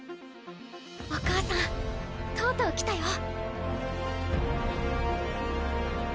お母さんとうとう来たよ。